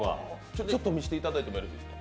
ちょっと見せていただいてもいいですか。